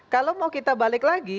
kalau mau kita balik lagi